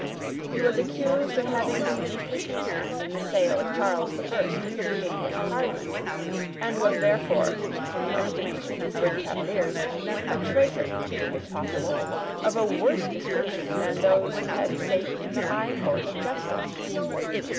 He was accused of having been deeply concerned in the sale of Charles the First to the English Parliament, and was therefore, in the estimation of good Cavaliers, a traitor, if possible, of a worse description than those who had sate in the High Court of Justice.